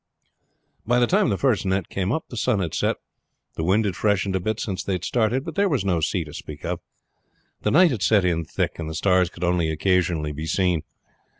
By the time the first net came up the sun had set. The wind had freshened a bit since they had started, but there was no sea to speak of. The night had set in thick, and the stars could only occasionally be seen.